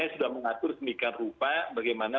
sudah mengatur semikian rupa bagaimana